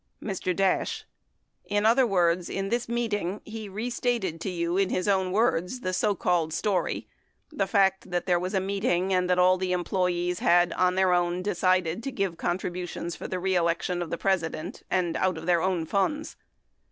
Mr. Dash. In other words, in this meeting, he restated to you in his own words the so called story, the fact that there was a meeting and that all the employees had on their own decided to give contributions for the reelection of the Presi dent and out of their own funds